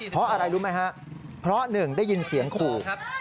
เพราะอะไรรู้ไหมครับเพราะหนึ่งได้ยินเสียงขู่